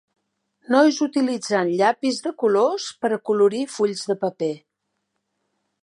Nois utilitzant llapis de colors per acolorir fulls de paper.